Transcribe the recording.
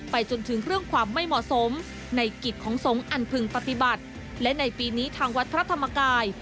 จนถึงเรื่องความไม่เหมาะสมในกิจของสงฆ์อันพึงปฏิบัติและในปีนี้ทางวัดพระธรรมกาย